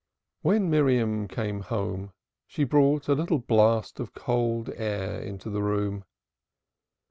When Miriam came home, she brought a little blast of cold air into the room.